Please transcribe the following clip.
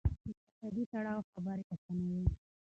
اقتصادي تړاو خبرې آسانوي.